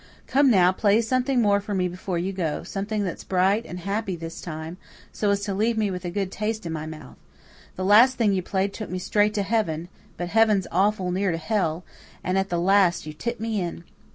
Come now, play something more for me before you go something that's bright and happy this time, so as to leave me with a good taste in my mouth. That last thing you played took me straight to heaven, but heaven's awful near to hell, and at the last you tipped me in."